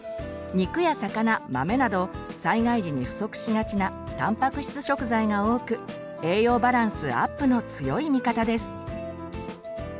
肉や魚豆など災害時に不足しがちなたんぱく質食材が多く栄養バランスアップの強い味方です。